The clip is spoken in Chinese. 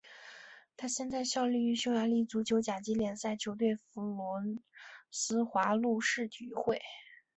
他现在效力于匈牙利足球甲级联赛球队费伦斯华路士体育会。